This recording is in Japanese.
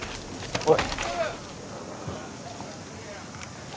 おい。